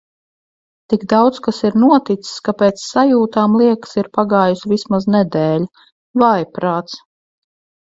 Tik daudz kas ir noticis, ka pēc sajūtām liekas ir pagājusi vismaz nedēļa. Vājprāts!